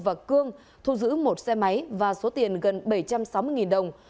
và cương thu giữ một xe máy và số tiền gần bảy trăm sáu mươi đồng